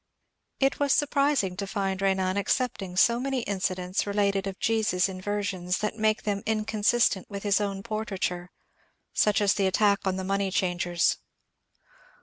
It was surprising to find Benan accepting so many incidents related of Jesus in versions that make them inconsistent with his own portraiture, — such as the attack on the money changers.